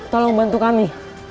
tolong bantu kami